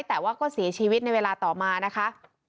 แต่ว่าก็เสียชีวิตในเวลาต่อมานะคะ